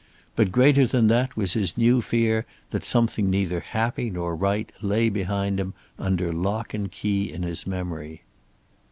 But greater than that was his new fear that something neither happy nor right lay behind him under lock and key in his memory.